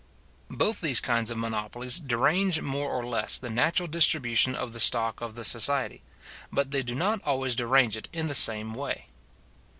Both these kinds of monopolies derange more or less the natural distribution of the stock of the society; but they do not always derange it in the same way.